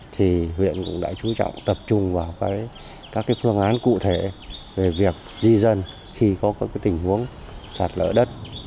thì huyện cũng đã chú trọng tập trung vào các phương án cụ thể về việc di dân khi có các tình huống sạt lỡ đất